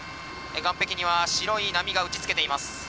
岸壁には白い波が打ちつけています。